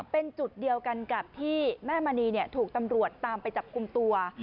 เป็นจุดเดียวกันกับที่แม่มณีถูกตำรวจตามไปจับกลุ่มตัว